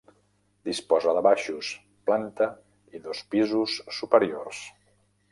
Disposa de baixos, planta i dos pisos superiors.